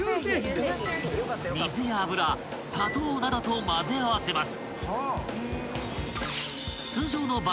［水や油砂糖などと混ぜ合わせます］